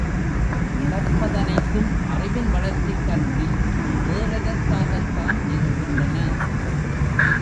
நடப்பதனைத்தும் அறிவின் வளர்ச்சிக்கன்றி வேறெதற்காகத்தான் நிகழ்கின்றன?